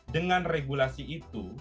dengan regulasi itu